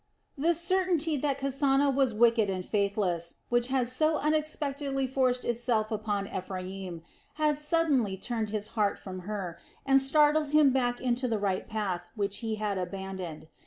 The certainty that Kasana was wicked and faithless, which had so unexpectedly forced itself upon Ephraim, had suddenly turned his heart from her and startled him back into the right path which he had abandoned.